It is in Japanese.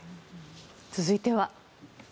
続いては。